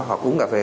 họ uống cà phê